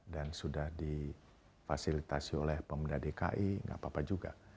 dan sudah difasilitasi oleh pemuda dki nggak apa apa juga